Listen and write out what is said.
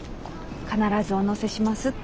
必ずお乗せしますって。